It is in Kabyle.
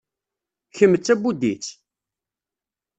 Kemm d tabudit?